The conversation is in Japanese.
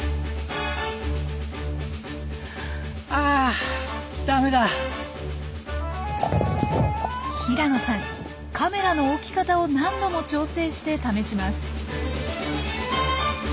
あ平野さんカメラの置き方を何度も調整して試します。